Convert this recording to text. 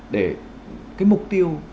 để cái mục tiêu